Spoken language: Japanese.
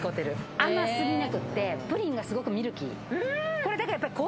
甘すぎなくてプリンがすごくミルキー。